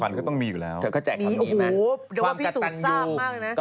ขวัญก็ต้องมีอยู่แล้วมีโอ้โฮเรียกว่าพี่สุดทราบมากเลยนะขวัญ